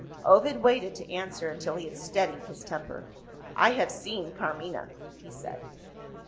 Ovid waited to answer until he had steadied his temper. "I have seen Carmina," he said.